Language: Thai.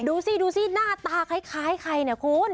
ดูสิดูสิหน้าตาคล้ายใครเนี่ยคุณ